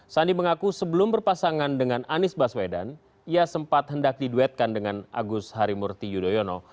sandi mengaku sebelum berpasangan dengan anies baswedan ia sempat hendak diduetkan dengan agus harimurti yudhoyono